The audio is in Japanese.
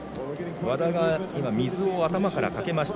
和田が水を頭からかけました。